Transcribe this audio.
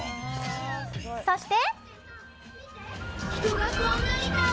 そして。